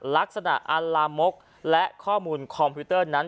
ลักษณะอัลลามกและข้อมูลคอมพิวเตอร์นั้น